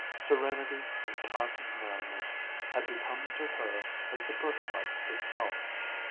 Serenity and placid narrowness had become to her as the birthright itself.